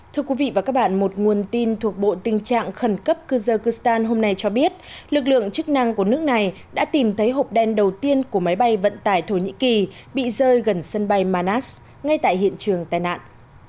thưa quý vị và các bạn một nguồn tin thuộc bộ tình trạng khẩn cấp cưzherstan hôm nay cho biết lực lượng chức năng của nước này đã tìm thấy hộp đen đầu tiên của máy bay vận tải thổ nhĩ kỳ bị rơi gần sân bay manas ngay tại hiện trường tai nạn